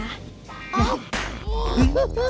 อ้าว